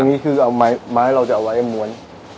ตรงนี้คือไม้เราจะเอาไว้มวล